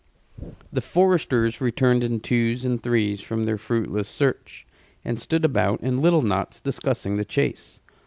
The foresters returned in twos and threes from their fruitless search, and stood about in little knots discussing the chase.